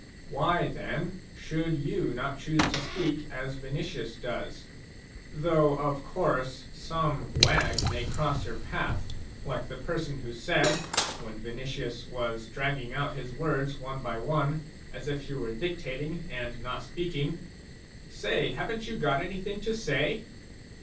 Why, then, should you not choose to speak as Vinicius does ? Though of course some wag may cross your path, like the person who said, when Vinicius was dragging out his words one by one, as if he were dictating and not speaking :" Say, haven't you anything to say